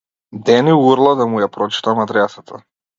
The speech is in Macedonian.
Дени урла да му ја прочитам адресата.